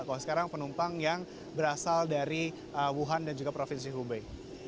kalau sekarang penumpang yang berasal dari wuhan dan juga provinsi hubei